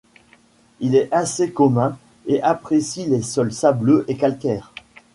Il est assez commun et apprécie les sols sableux et calcaires.